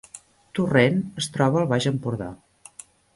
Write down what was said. Torrent es troba al Baix Empordà